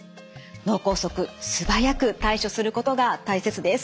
脳梗塞素早く対処することが大切です。